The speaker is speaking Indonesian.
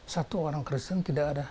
satu orang kristen tidak ada